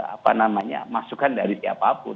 apa namanya masukan dari siapapun